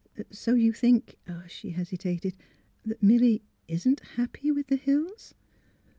" So you think," she hesitated, ''that Milly isn't — happy with the Hills?